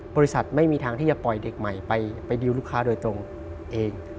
บริษัทไม่มีทางที่จะปล่อยเด็กใหม่ไปดิวลูกค้าโดยตรงเอง